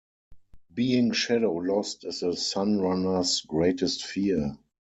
Being Shadow-lost is a Sunrunner's greatest fear.